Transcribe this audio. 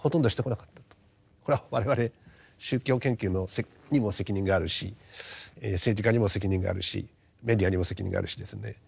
これは我々宗教研究にも責任があるし政治家にも責任があるしメディアにも責任があるしですね。